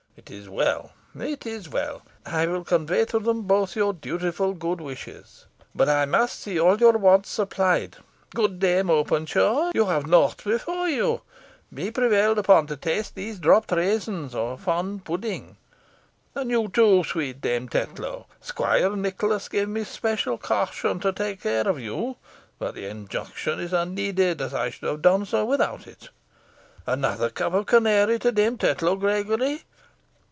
It is well it is well. I will convey to them both your dutiful good wishes. But I must see all your wants supplied. Good Dame Openshaw, you have nought before you. Be prevailed upon to taste these dropt raisins or a fond pudding. And you, too, sweet Dame Tetlow. Squire Nicholas gave me special caution to take care of you, but the injunction was unneeded, as I should have done so without it. Another cup of canary to Dame Tetlow, Gregory.